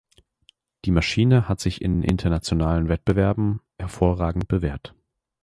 Die Maschine hat sich in internationalen Wettbewerben hervorragend bewährt.